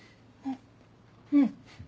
あっうん。